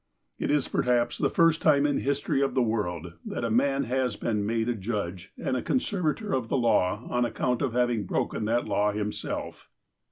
It is perhaps the first time in the history of the world HOW MR. DUNCAN BECAME A JUDGE 199 that a man has been made a judge and a conservator of the law on account of having broken that law himself.